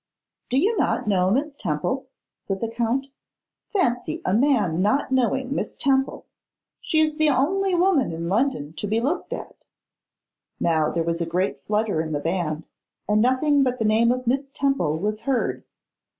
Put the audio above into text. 'Do not you know Miss Temple?' said the Count. 'Fancy a man not knowing Miss Temple! She is the only woman in London to be looked at.' Now there was a great flutter in the band, and nothing but the name of Miss Temple was heard.